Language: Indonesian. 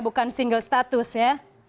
bukan single status ya